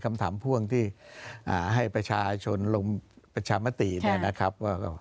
คำถามพ่วงที่ให้ประชาชนลงประชามติเนี่ยนะครับว่า